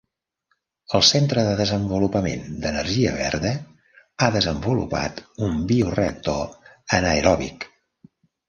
El Centre de Desenvolupament d'Energia Verda ha desenvolupat un bioreactor anaeròbic.